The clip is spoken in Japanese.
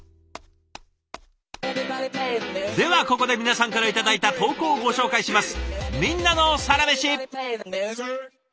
ではここで皆さんから頂いた投稿をご紹介します。